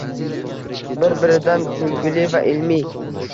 Bir biridan kulguli va ilmiy